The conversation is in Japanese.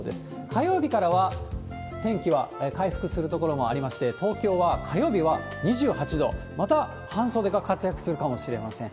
火曜日からは天気は回復する所もありまして、東京は火曜日は２８度、また半袖が活躍するかもしれません。